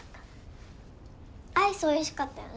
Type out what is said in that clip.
アイスおいしかったよね